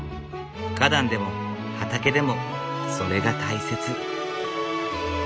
花壇でも畑でもそれが大切。